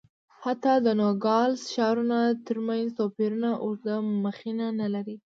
حتی د نوګالس ښارونو ترمنځ توپیرونه اوږده مخینه نه لري.